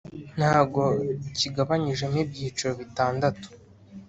ntago kigabanyijemo ibyiciro bitandatu